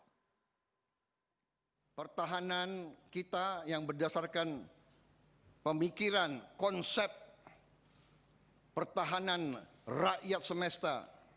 pertama pertahanan kita yang berdasarkan pemikiran konsep pertahanan rakyat semesta